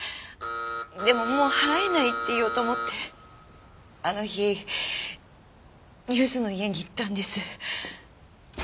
でももう払えないって言おうと思ってあの日ゆずの家に行ったんです。